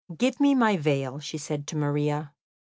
"Give me my veil," she said to Maria.